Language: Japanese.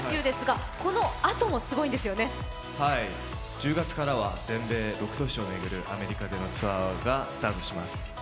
１０月からは全米６都市を巡るアメリカでのツアーがスタートします。